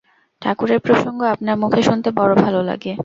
ঠাকুরের প্রসঙ্গ আপনার মুখে শুনতে বড় ভাল লাগে।